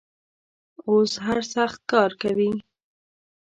اوس هر سخت کار کوي.